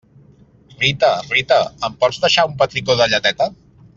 Rita, Rita, em pots deixar un petricó de lleteta?